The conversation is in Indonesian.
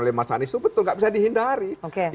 oleh mas anies itu betul nggak bisa dihindari